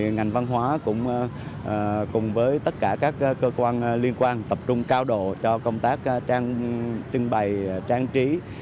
ngành văn hóa cũng cùng với tất cả các cơ quan liên quan tập trung cao độ cho công tác trưng bày trang trí